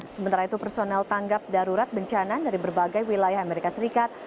sementara itu personel tanggap darurat bencana dari berbagai wilayah amerika serikat